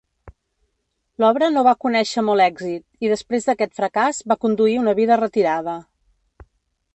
L'obra no va conèixer molt èxit, i després d'aquest fracàs va conduir una vida retirada.